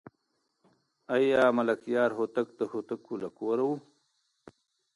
آیا ملکیار هوتک د هوتکو له کوره و؟